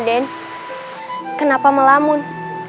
raden kenapa melamun